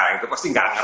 itu pasti nggak ngerti